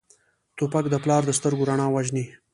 توپک د پلار د سترګو رڼا وژني.